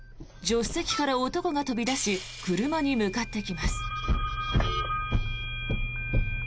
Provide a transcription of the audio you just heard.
助手席から男が飛び出し車に向かってきます。